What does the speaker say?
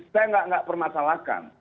saya tidak permasalahkan